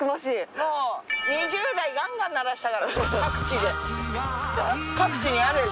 もう２０代ガンガン鳴らしたから各地で。